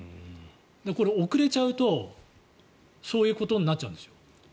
これ、遅れちゃうとそういうことになっちゃうんですよ。